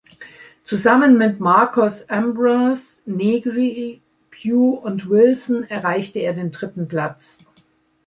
Zusammen mit Marcos Ambrose, Negri, Pew und Wilson erreichte er den dritten Platz.